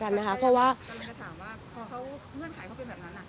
เพราะว่ากำลังจะถามว่าพอเขาเงื่อนไขเขาเป็นแบบนั้น